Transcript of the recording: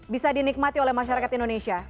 bisa dinikmati oleh masyarakat indonesia